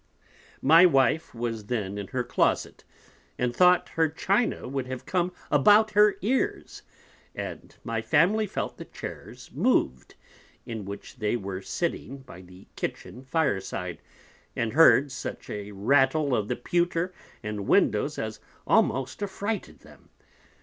My Wife was then in her Closet, and thought her China would have come about her Ears, and my Family felt the Chairs mov'd, in which they were sitting by the Kitchen Fire side, and heard such a Rattle of the Pewter and Windows as almost affrighted them.